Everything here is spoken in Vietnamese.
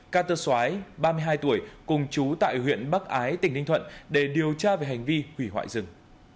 ca tơ xoái ba mươi hai tuổi cùng chú tại huyện bắc ái tỉnh ninh thuận để điều tra về hành vi hủy hoại rừng